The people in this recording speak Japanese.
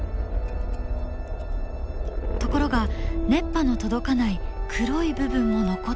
ところが熱波の届かない黒い部分も残っている。